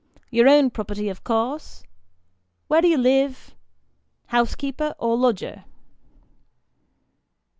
Your own property, of course ? Where do you live ? Housekeeper or lodger